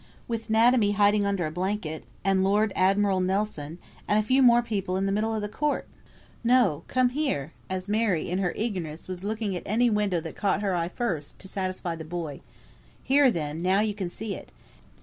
with 'natomy hiding under a blanket, and Lord Admiral Nelson, and a few more people in the middle of the court! No! come here," as Mary, in her eagerness, was looking at any window that caught her eye first, to satisfy the boy. "Here, then, now you can see it.